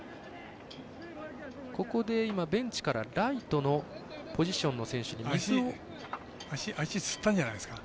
ここでベンチからライトのポジションの選手に水を。